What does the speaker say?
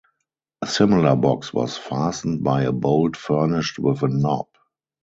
A similar box was fastened by a bolt furnished with a knob.